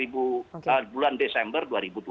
bulan desember dua ribu dua puluh